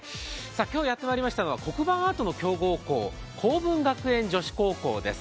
今日やってまいりましたのは、黒板アートの強豪校好文学園女子高校です。